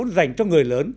dành cho người lớn